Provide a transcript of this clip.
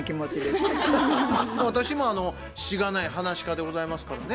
私もしがないはなし家でございますからね。